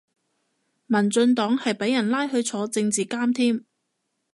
民進黨係俾人拉去坐政治監添